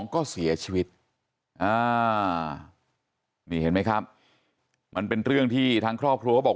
ก็เสียชีวิตนี่เห็นไหมครับมันเป็นเรื่องที่ทางครอบครัวบอก